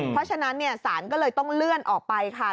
เพราะฉะนั้นศาลก็เลยต้องเลื่อนออกไปค่ะ